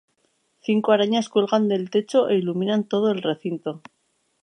Cinco arañas cuelgan del techo e iluminan todo el recinto.